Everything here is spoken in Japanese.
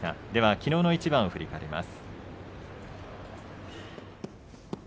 きのうの一番を振り返ります。